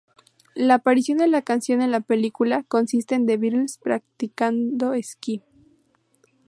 La aparición de la canción en la película consiste en The Beatles practicando esquí.